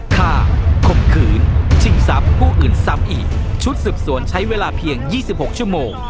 ข่มขืนชิงทรัพย์ผู้อื่นซ้ำอีกชุดสืบสวนใช้เวลาเพียงยี่สิบหกชั่วโมง